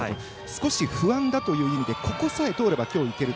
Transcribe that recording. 少し不安だという意味でここさえ通れば今日はいける。